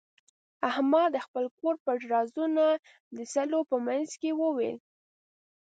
احمد د خپل کور پټ رازونه د سلو په منځ کې وویل.